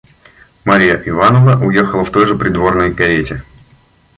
Марья Ивановна уехала в той же придворной карете.